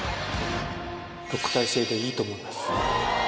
特待生でいいと思います。